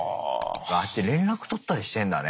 ああやって連絡取ったりしてんだね。